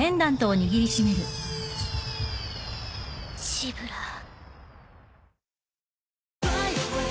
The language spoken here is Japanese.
・シブラー。